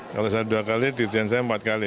kalau saya dua kali dirjen saya empat kali